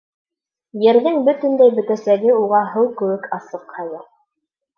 Ерҙең бөтөнләй бөтәсәге уға һыу кеүек асыҡ хәҙер.